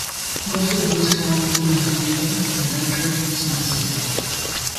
Most of these fall into the domain of the natural sciences.